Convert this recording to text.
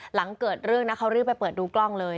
หลังเกิดเรื่องนะเขารีบไปเปิดดูกล้องเลย